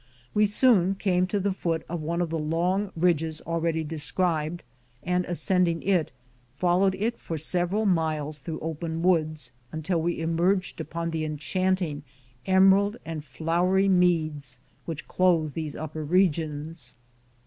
We soon came to the foot of one of the long ridges already described, and ascend ing it followed it for several miles through open woods, until we emerged upon the enchanting emerald and flowery meads which clothe these upper regions.